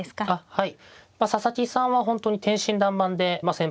はい。